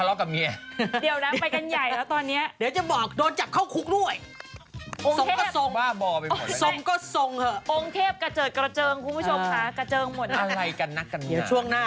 ร่างทรงทะเลาะกับเมีย